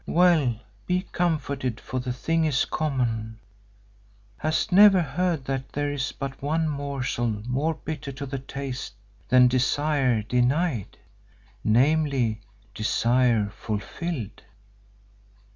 Well, be comforted for the thing is common. Hast never heard that there is but one morsel more bitter to the taste than desire denied, namely, desire fulfilled?